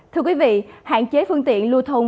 thưa quý vị hạn chế phương tiện lưu thông